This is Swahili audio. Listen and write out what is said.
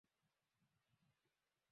Ugali ndio chakula napenda